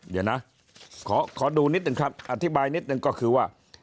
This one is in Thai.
เดี๋ยวนะขอดูนิดหนึ่งครับอธิบายนิดนึงก็คือว่า